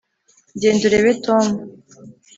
wigaraagaze kuri ariya mahanga atakuzi